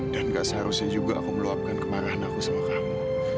gak seharusnya juga aku meluapkan kemarahan aku sama kamu